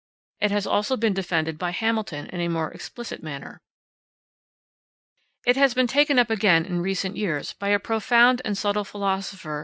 It has also been defended by Hamilton in a more explicit manner. It has been taken up again in recent years, by a profound and subtle philosopher, M.